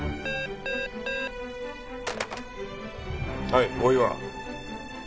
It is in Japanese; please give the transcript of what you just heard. はい大岩。